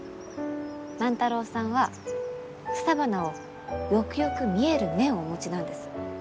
万太郎さんは草花をよくよく見える目をお持ちなんです。